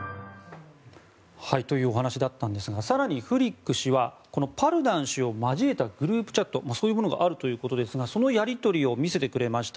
というお話だったんですが更にフリック氏はパルダン氏を交えたグループチャットそういうものがあるということですがそのやり取りを見せてくれました。